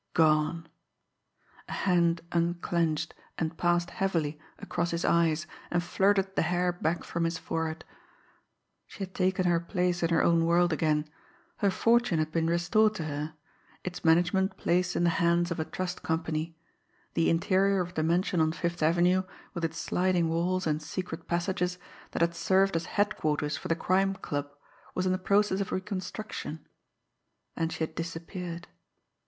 Gone! A hand unclenched and passed heavily across his eyes and flirted the hair back from his forehead. She had taken her place in her own world again; her fortune had been restored to her, its management placed in the hands of a trust company; the interior of the mansion on Fifth Avenue, with its sliding walls and secret passages, that had served as headquarters for the Crime Club, was in the process of reconstruction and she had disappeared.